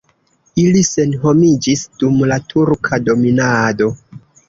Ili senhomiĝis dum la turka dominado.